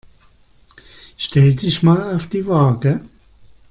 Stell dich mal auf die Waage.